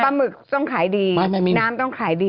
หมึกต้องขายดีน้ำต้องขายดี